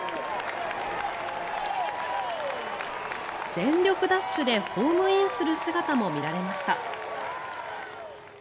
全力ダッシュでホームインする姿も見られました。